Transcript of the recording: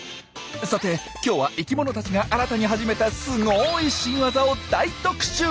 さて今日は生きものたちが新たに始めたすごい「新ワザ」を大特集！